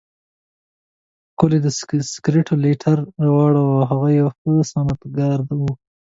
ښکلی د سګریټو لایټر جوړاوه، هغه یو ښه صنعتکار و.